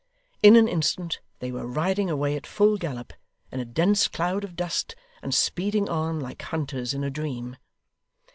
In an instant they were riding away, at full gallop, in a dense cloud of dust, and speeding on, like hunters in a dream.